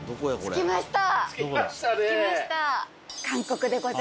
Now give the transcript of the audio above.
着きました。